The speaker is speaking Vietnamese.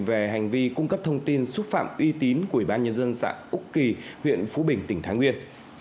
về hành vi cung cấp thông tin xúc phạm uy tín của ủy ban nhân dân xã úc kỳ huyện phú bình tỉnh thái nguyên